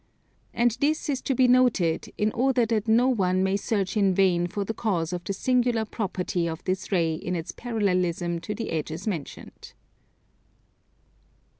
And this is to be noted, in order that no one may search in vain for the cause of the singular property of this ray in its parallelism to the edges mentioned.